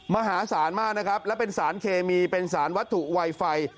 มหาศาลมากนะครับและเป็นสารเคมีเป็นสารวัตถุไวไฟ